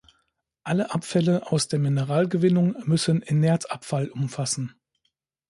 Alle Abfälle aus der Mineralgewinnung müssen Inertabfall umfassen.